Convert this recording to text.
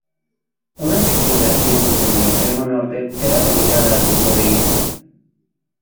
Una sección de asientos en el extremo norte será dedicada al grupo de hinchas.